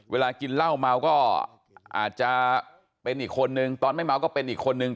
เวลากินเหล้าเมาก็อาจจะเป็นอีกคนนึงตอนไม่เมาก็เป็นอีกคนนึง